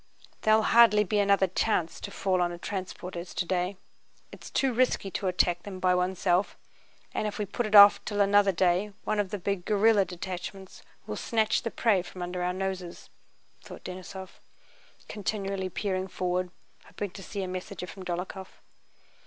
"There'll hardly be another such chance to fall on a transport as today. It's too risky to attack them by oneself, and if we put it off till another day one of the big guerrilla detachments will snatch the prey from under our noses," thought Denísov, continually peering forward, hoping to see a messenger from Dólokhov.